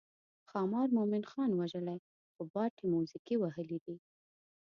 ښامار مومن خان وژلی خو باټې موزیګي وهلي دي.